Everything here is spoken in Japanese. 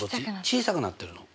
小さくなってるの。